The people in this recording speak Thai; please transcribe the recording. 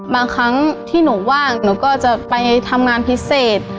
บางครั้งที่หนูว่างหนูก็จะไปทำงานพิเศษ